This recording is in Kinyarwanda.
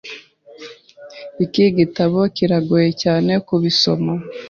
Iki gitabo kiragoye cyane kubisoma.